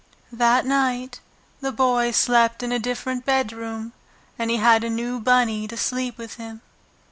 That night the Boy slept in a different bedroom, and he had a new bunny to sleep with him.